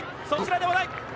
そちらではない！